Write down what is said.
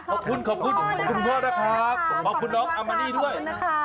ขอบคุณขอบคุณพ่อนะครับขอบคุณน้องอามันนี่ด้วย